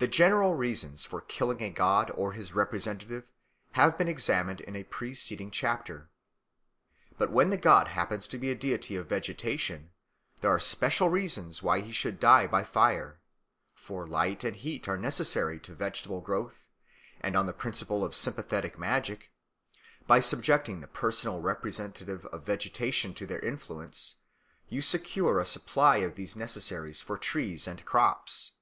The general reasons for killing a god or his representative have been examined in a preceding chapter. But when the god happens to be a deity of vegetation, there are special reasons why he should die by fire. For light and heat are necessary to vegetable growth; and, on the principle of sympathetic magic, by subjecting the personal representative of vegetation to their influence, you secure a supply of these necessaries for trees and crops.